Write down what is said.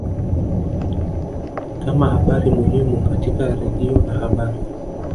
kama habari muhimu katika radio na habari